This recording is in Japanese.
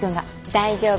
大丈夫？